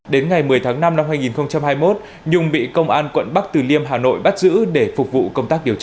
đến ngày một mươi tháng năm năm hai nghìn hai mươi một nhung bị công an quận bắc từ liêm hà nội bắt giữ để phục vụ công tác điều tra